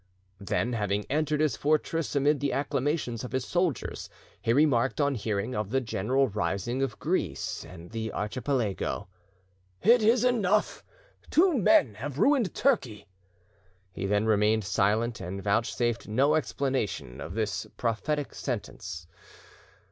Then, having entered his fortress amid the acclamations of his soldiers, he remarked on hearing of the general rising of Greece and the Archipelago, "It is enough! two men have ruined Turkey!" He then remained silent, and vouchsafed no explanation of this prophetic sentence.